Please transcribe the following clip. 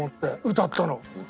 歌ったの。